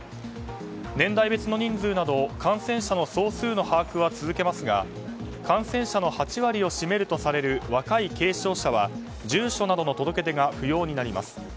年代別の人数など感染者の総数の把握は続けますが感染者の８割を占めるとされる若い軽症者は住所などの届け出が不要になります。